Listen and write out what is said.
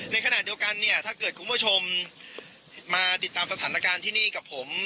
ในขณะเดียวกันเนี่ยถ้าเกิดคุณผู้ชมมาติดตามสถานการณ์ที่นี่กับผม